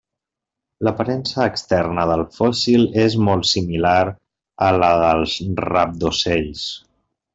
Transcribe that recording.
L'aparença externa del fòssil és molt similar a la dels rabdocels.